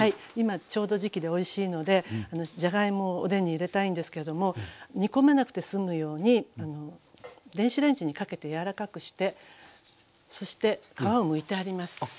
今ちょうど時期でおいしいのでじゃがいもをおでんに入れたいんですけども煮込まなくて済むように電子レンジにかけて柔らかくしてそして皮をむいてあります。